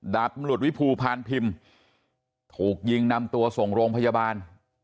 ดาบตำรวจวิภูพานพิมพ์ถูกยิงนำตัวส่งโรงพยาบาล